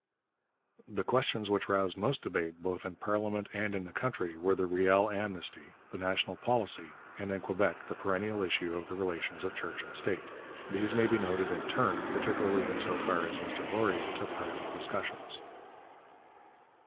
The questions which roused most debate both in parliament and in the country were the Riel Amnesty, the National Policy, and, in Quebec, the perennial issue of the relations of church and state. These may be noted in turn, particularly in so far as Mr Laurier took part in the discussions.